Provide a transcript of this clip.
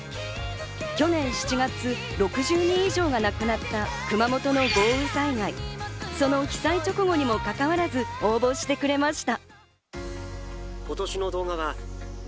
去年７月、６０人以上が亡くなった熊本の豪雨災害、その被災直後にも関わらず応募してくれました。